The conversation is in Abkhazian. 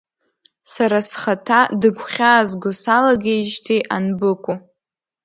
Сара схаҭа дыгәхьаазго салагеижьҭеи анбыкәу.